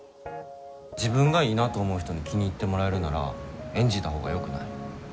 自分がいいなと思う人に気に入ってもらえるなら演じたほうがよくない？